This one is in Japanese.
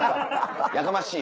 やかましい！